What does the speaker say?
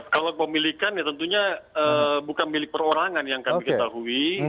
kalau pemilikannya tentunya bukan milik perorangan yang kami ketahui